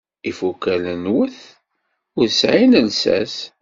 Ifukal-nwet ur sɛin llsas.